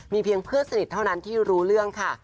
เพียงเพื่อนสนิทเท่านั้นที่รู้เรื่องค่ะ